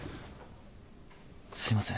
すいません。